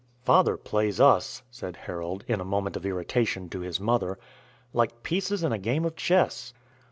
"Father plays us," said Harold, in a moment of irritation, to his mother, "like pieces in a game of chess.